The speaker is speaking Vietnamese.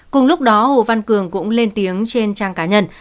cùng lúc đó hồ văn cường cũng lên tiếng trên trang cá nhân